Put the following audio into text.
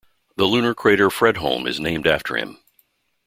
The lunar crater Fredholm is named after him.